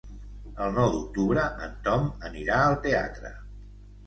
El nou d'octubre en Tom anirà al teatre.